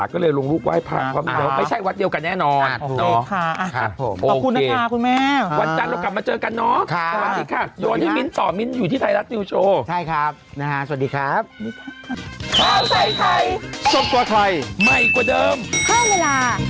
คุณแฟนคุณแฟน